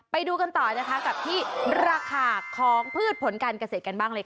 ไปดูกันต่อนะคะกับที่ราคาของพืชผลการเกษตรกันบ้างเลยค่ะ